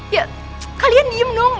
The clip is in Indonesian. ya kalian diem dong